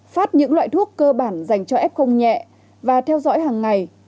phát những loại thuốc cơ bản dành cho f nhẹ và theo dõi hàng ngày